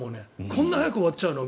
こんなに早く終わっちゃうの？